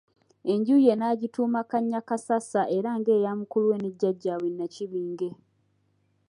Enju ye n'agituuma Kannyakassasa era ng'eya mukulu we ne jjajjaabwe Nnakibinge.